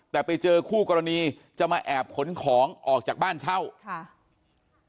แต่ไปเจอคู่กรณีจะมาแอบขนของออกจากบ้านเช่าค่ะ